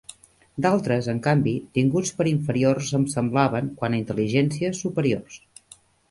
D'altres, en canvi, tinguts per inferiors em semblaven, quant a intel·ligència, superiors.